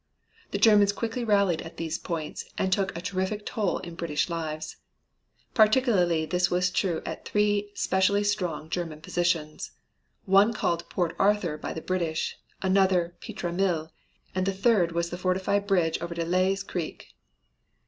The Germans quickly rallied at these points, and took a terrific toll in British lives. Particularly was this true at three specially strong German positions. One called Port Arthur by the British, another at Pietre Mill and the third was the fortified bridge over Des Layes Creek.